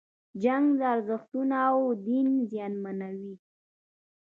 جنگ ارزښتونه او دین زیانمنوي.